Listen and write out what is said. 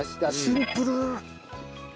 シンプル！